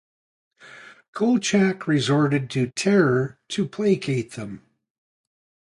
Kolchak resorted to terror to placate them.